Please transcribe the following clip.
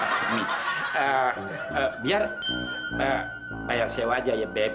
maksudnya eh biar bayar sewa aja ya beb